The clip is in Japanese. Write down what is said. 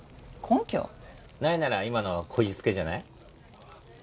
ないなら今のはこじつけじゃない？